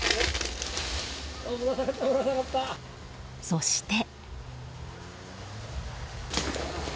そして。